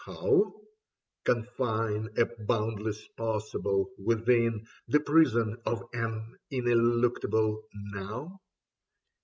How ? Confine a boundless possible within The prison of an ineluctable Now